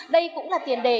đây cũng là tiền đề